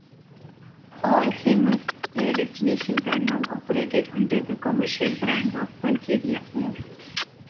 All Hemus Air destinations are now operated under the commercial brand of Bulgaria Air.